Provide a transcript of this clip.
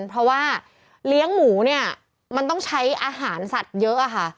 เพราะว่าเลี้ยงหมูเนี่ยมันต้องใช้อาหารสัตว์เยอะอะค่ะ